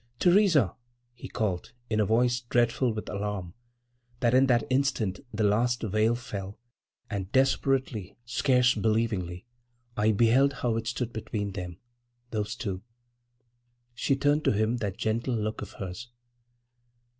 "Theresa!" he called, in a voice dreadful with alarm—and in that instant the last veil fell, and desperately, scarce believingly, I beheld how it stood between them, those two. She turned to him that gentle look of hers.